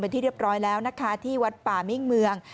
เป็นที่เรียบร้อยแล้วนะคะที่วัดป่ามิ่งเมือง